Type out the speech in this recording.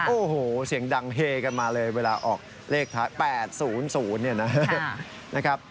โอ้โหเสียงดังเฮกันมาเลยเวลาออกเลขท้าย๘๐๐เนี่ยนะครับ